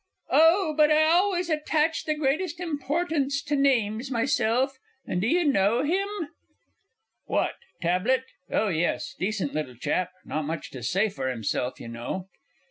Oh, but I always attach the greatest importance to names, myself. And do you know him? PHIL. What, Tablett? Oh, yes decent little chap; not much to say for himself, you know.